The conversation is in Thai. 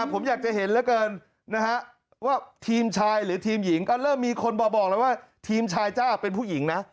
ผมอยากจะเห็นเหลือเกินนะฮะว่าทีมชายหรือทีมหญิงก็เริ่มมีคนบอกแล้วว่าทีมชายจ้าเป็นผู้หญิงนะ